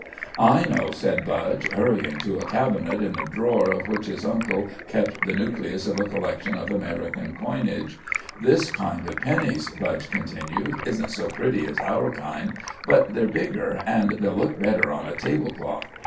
"I know," said Budge, hurrying to a cabinet in a drawer of which his uncle kept the nucleus of a collection of American coinage. "This kind of pennies," Budge continued, "isn't so pretty as our kind, but they're bigger, an' they'll look better on a table cloth.